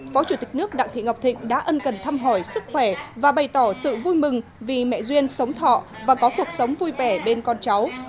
phó chủ tịch nước đặng thị ngọc thịnh đã ân cần thăm hỏi sức khỏe và bày tỏ sự vui mừng vì mẹ duyên sống thọ và có cuộc sống vui vẻ bên con cháu